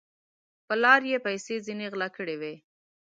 پر لار یې پیسې ځیني غلا کړي وې